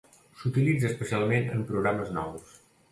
S'utilitza especialment en programes nous.